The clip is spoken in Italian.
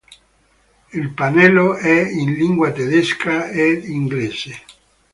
Il pannello è in lingua tedesca ed inglese.